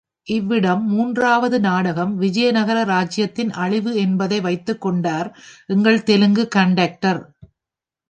இவ்விடம் மூன்றாவது நாடகம் விஜயநகர ராஜ்யத்தின் அழிவு என்பதை வைத்துக் கொண்டார் எங்கள் தெலுங்கு கண்டக்டர்.